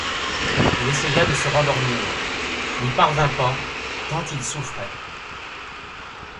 Il essaya de se rendormir, n'y parvint pas, tant il souffrait.